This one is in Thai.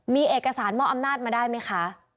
มีเอกสารมอบอำนาจมาได้ไหมคะ